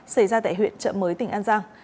xảy ra tại huyện chợ mới tỉnh an giang